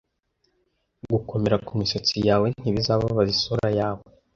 Gukomera kumisatsi yawe ntibizababaza isura yawe.